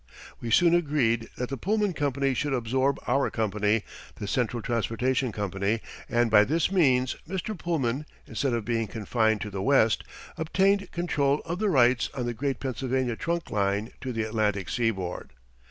We soon agreed that the Pullman Company should absorb our company, the Central Transportation Company, and by this means Mr. Pullman, instead of being confined to the West, obtained control of the rights on the great Pennsylvania trunk line to the Atlantic seaboard.